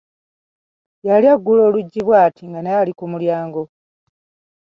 Yali aggula olujji bw'ati nga naye ali ku mulyango.